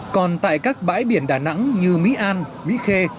còn tại các bãi biển đà nẵng như mỹ an mỹ khê